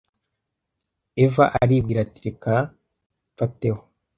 eva aribwira ati reka mfateho